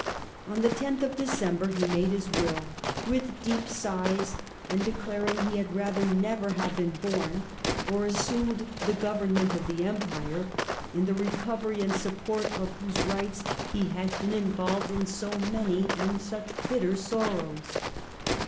On the loth of December he made his will, " with deep sighs and declaring he had rather never have been born, or assumed the government of the Empire, in the recovery and support of whose rights he had been involved in so many and such bitter sorrows."